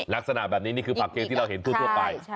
ลักษณะแบบนี้นี่คือผักเกงที่เราเห็นทั่วไป